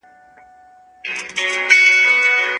د دې ډېوې رڼا باید تل بله وساتل سي.